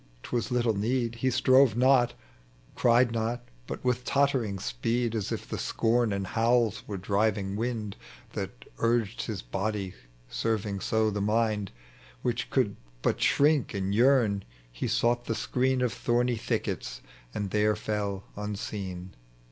'Twas little need ; He strove not, cried not, but with tottering speed, As if the seom and howls were driving wind That urged bis body, serving so the mind Which could but shrink and yearn, he sought the Of thomy thickets, and there fell unseen.